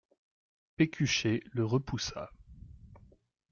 Pécuchet le repoussa.